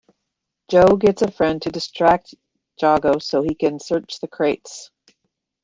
Joe gets a friend to distract Jago so he can search the crates.